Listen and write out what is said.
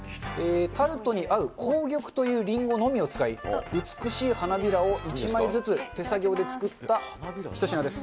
タルトに合う紅玉というりんごのみを使い、美しい花びらを１枚ずつ手作業で作った一品です。